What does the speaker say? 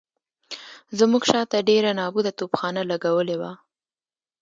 زموږ شاته ډېره نابوده توپخانه لګولې وه.